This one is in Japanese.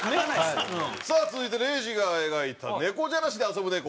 さあ続いて礼二が描いた猫じゃらしで遊ぶネコ。